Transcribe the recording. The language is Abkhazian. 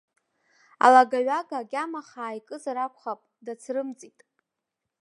Алагаҩага агьама хаа икызар акәхап, дацрымҵит.